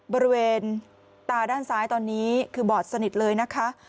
บริเวณตาด้านซ้ายตอนนี้คือบอดสนิทเลยนะคะ